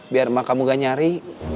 biar kamu gak nyari